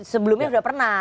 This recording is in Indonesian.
sebelumnya sudah pernah